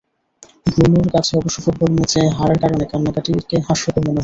ব্রুনোর কাছে অবশ্য ফুটবল ম্যাচে হারার কারণে কান্নাকাটিকে হাস্যকর মনে হয়।